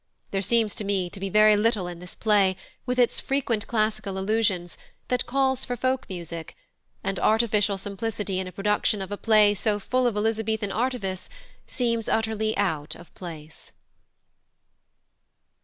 There seems to me to be very little in this play, with its frequent classical allusions, that calls for folk music, and artificial simplicity in a production of a play so full of Elizabethan artifice seems utterly out of place.